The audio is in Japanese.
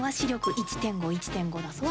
１．５１．５だそうです。